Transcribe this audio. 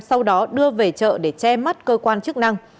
sau đó đưa về chợ để che mắt cơ quan chức năng